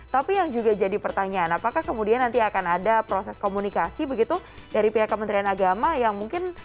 tapi yang juga jadi pertanyaan apakah kemudian nanti akan ada proses komunikasi begitu dari pihak kementerian agama yang mungkin